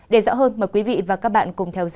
để rõ hơn mời quý vị và các bạn